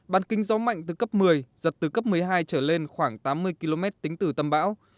bản kinh gió mạnh từ cấp một mươi giật từ cấp một mươi hai trở lên khoảng tám mươi km tính từ tâm bão